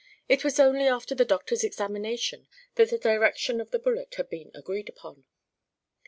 It was only after the doctor's examination that the direction of the bullet had been agreed upon.